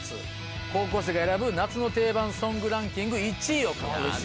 高校生が選ぶ夏の定番ソングランキング１位を獲得。